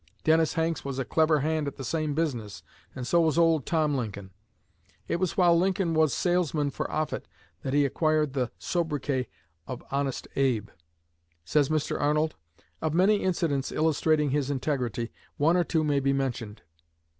Dennis Hanks was a clever hand at the same business, and so was old Tom Lincoln." It was while Lincoln was salesman for Offutt that he acquired the sobriquet of "Honest Abe." Says Mr. Arnold: "Of many incidents illustrating his integrity, one or two may be mentioned.